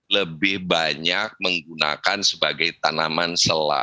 lebih banyak menggunakan sebagai tanaman sela